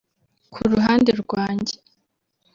Ku ruhande rwanjye